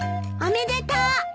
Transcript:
おめでとう！